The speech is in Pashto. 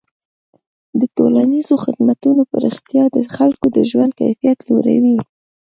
د ټولنیزو خدمتونو پراختیا د خلکو د ژوند کیفیت لوړوي.